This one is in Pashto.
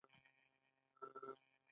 هیلې ژوند ښکلی کوي